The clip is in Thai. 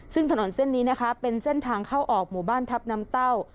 ซึ่งถนนเส้นนี้นะคะเป็นเส้นทางเข้าออกหมู่บ้านทัพน้ำเต้า